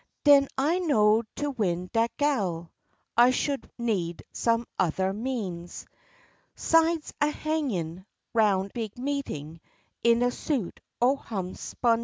Den I know'd to win dat gal, I sho would need some othah means 'Sides a hangin' 'round big meetin' in a suit o' homespun jeans.